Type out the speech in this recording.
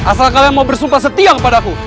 asal kalian mau bersumpah setia kepada aku